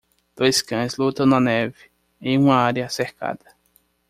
Dois cães lutam na neve em uma área cercada.